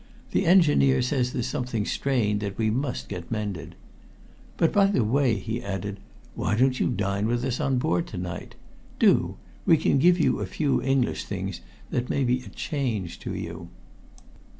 The engineer says there's something strained that we must get mended. But, by the way," he added, "why don't you dine with us on board to night? Do. We can give you a few English things that may be a change to you."